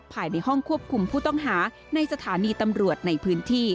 ภายในห้องควบคุมผู้ต้องหาในสถานีตำรวจในพื้นที่